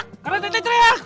karena teteh teriak